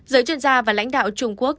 giới chuyên gia và lãnh đạo trung quốc